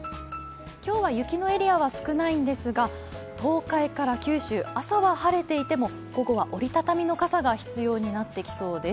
今日は雪のエリアは少ないんですが東海から九州、朝は晴れていても午後は折り畳みの傘が必要になってきそうです。